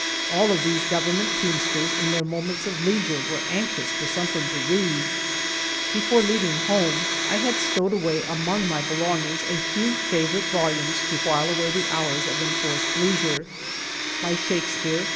All of these government teamsters in their moments of leis ure were anxious for something to read. Before leav ing homte I had stowed away among my belongings a few favorite volumes to while away the hours of enforced leisure My Shakespeare